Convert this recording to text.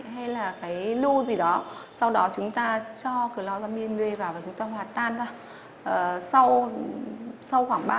hay là cái lưu gì đó sau đó chúng ta cho cờ lo ramimbe vào và chúng ta hòa tan ra sau sau khoảng